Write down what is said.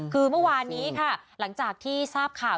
คือเมื่อวานนี้ค่ะหลังจากที่ทราบข่าว